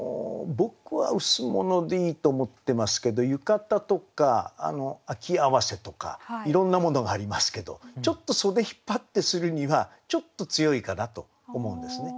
僕は「羅」でいいと思ってますけど「浴衣」とか「秋袷」とかいろんなものがありますけどちょっと袖引っ張ってするにはちょっと強いかなと思うんですね。